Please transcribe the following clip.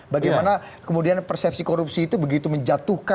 bagaimana kemudian persepsi korupsi itu begitu menjatuhkan